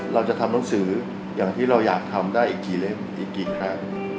เราจะทำหนังสืออย่างที่เราอยากทำได้อีกกี่เล่มอีกกี่ครั้ง